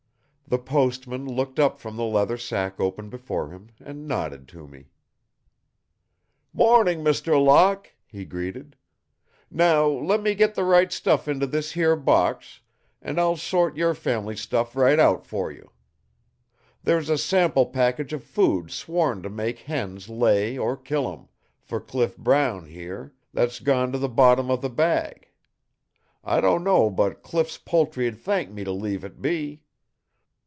The postman looked up from the leather sack open before him, and nodded to me. "Morning, Mr. Locke," he greeted. "Now let me get the right stuff into this here box, an' I'll sort your family's right out for you. There's a sample package of food sworn to make hens lay or kill 'em, for Cliff Brown here, that's gone to the bottom of the bag. I don't know but Cliff's poultry'd thank me to leave it be!